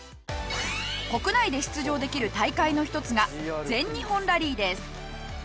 国内で出場できる大会の一つが全日本ラリーです。